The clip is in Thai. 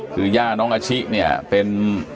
คือย่าน้องอาชิเป็น